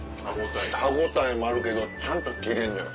歯応えもあるけどちゃんと切れんのよ。